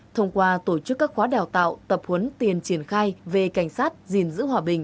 thông qua tổ chức các khóa đào tạo tập huấn tiền triển khai về cảnh sát gìn giữ hòa bình